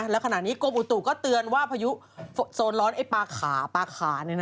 และขณะนี้กรมอุตุก็เตือนว่าพยุคศ์โซนร้อนปลาขา